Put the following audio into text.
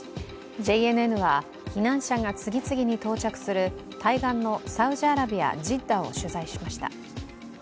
ＪＮＮは避難者が次々に到着する対岸のサウジアラビア・ジッダを取材しました。